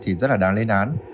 thì rất là đáng lên án